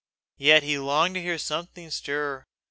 Yet he longed to hear something stir.